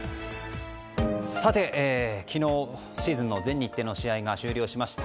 さて、昨日シーズン全日程の試合が終了しました。